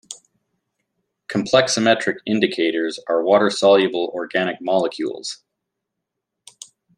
Complexometric indicators are water-soluble organic molecules.